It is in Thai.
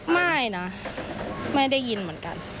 ไม่นะไม่ได้ยินเหมือนกัน